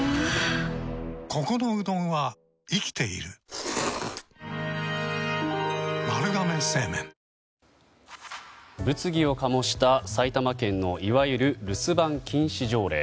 ペイトク物議を醸した埼玉県のいわゆる留守番禁止条例。